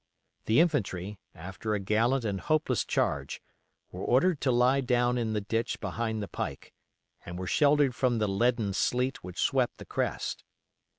The infantry, after a gallant and hopeless charge, were ordered to lie down in the ditch behind the pike, and were sheltered from the leaden sleet which swept the crest.